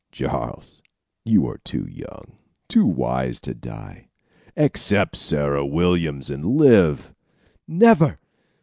"Charles, you are too young, too wise to die. Accept Sarah Williams and live." "Never!